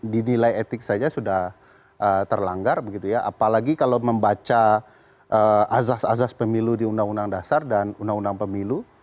dinilai etik saja sudah terlanggar begitu ya apalagi kalau membaca azas azas pemilu di undang undang dasar dan undang undang pemilu